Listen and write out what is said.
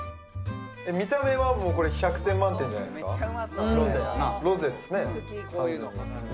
見た目はもうこれ１００点満点じゃないですかロゼやなロゼっすね